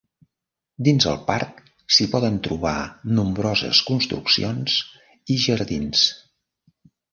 Dins el parc, s'hi poden trobar nombroses construccions i jardins.